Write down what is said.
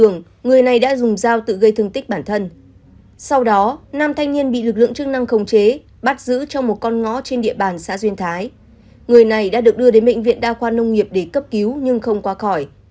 người này đã được đưa đến bệnh viện đa khoa nông nghiệp để cấp cứu nhưng không qua khỏi